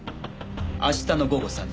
「明日の午後３時。